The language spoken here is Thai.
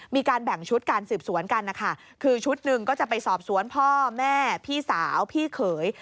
มีการแบ่งชุดการสืบสวนกันนะคะคือชุดหนึ่งก็จะไปสอบสวนพ่อแม่พี่สาวพี่เขย